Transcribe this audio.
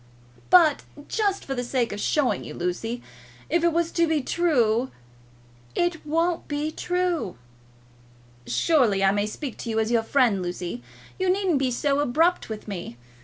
"But just for the sake of showing you, Lucy ; if it was to be true." "It won't be true." "Surely I may speak to you as your friend, Lucy. You needn't be so abrupt with me.